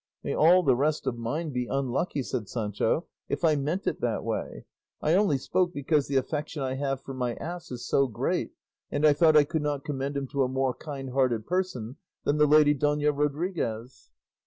"May all the rest of mine be unlucky," said Sancho, "if I meant it that way; I only spoke because the affection I have for my ass is so great, and I thought I could not commend him to a more kind hearted person than the lady Dona Rodriguez."